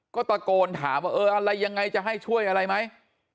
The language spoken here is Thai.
ก็ตะโกนถามว่าเอออะไรยังไงจะให้ช่วยอะไรไหม